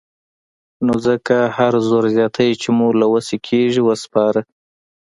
نو ځکه هر زور زياتی چې مو له وسې کېږي وسپاره.